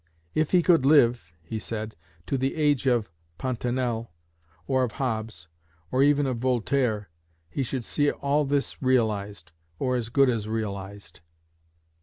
If he could live (he said) to the age of Pontenelle, or of Hobbes, or even of Voltaire, he should see all this realized, or as good as realized.